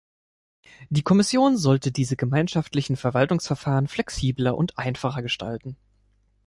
Die Kommission sollte diese gemeinschaftlichen Verwaltungsverfahren flexibler und einfacher gestalten.